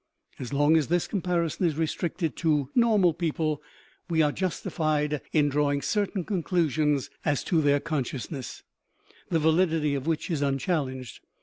As long as this comparison is restricted to nor mal people we are justified in drawing certain conclu sions as to their consciousness, the validity of which is unchallenged.